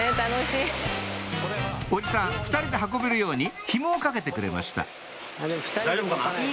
おじさん２人で運べるようにヒモをかけてくれました大丈夫かな？